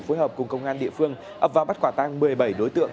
phối hợp cùng công an địa phương ập vào bắt quả tang một mươi bảy đối tượng